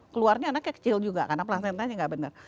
keluarnya anaknya kecil juga karena plasentanya nggak benar